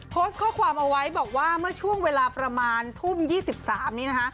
โพสต์ข้อความเอาไว้บอกว่าเมื่อช่วงเวลาประมาณทุ่ม๒๓นี้นะคะ